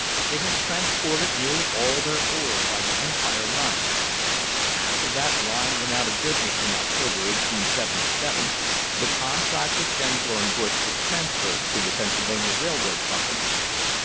They had trans ported nearly all their oil by the Empire Line. After that line went out of business in October, 1877, the contract with Denslow and Bush was transferred to the Pennsylvania Rail road Company.